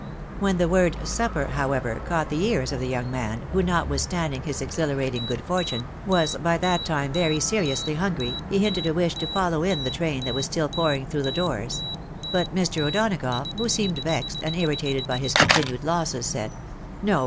When the word supper, however, caught the ears of the young man, who, notwithstanding his exhilarating good fortune, was by that time very seriously hungry, he hinted a wish to follow in the train that was still pouring through the doors ; but Mr. O'Donagough, who seemed vexed and irritated by his continued losses, said, "No!